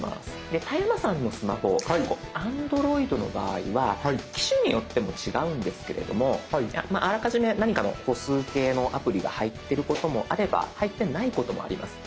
で田山さんのスマホアンドロイドの場合は機種によっても違うんですけれどもあらかじめ何かの歩数計のアプリが入ってることもあれば入ってないこともあります。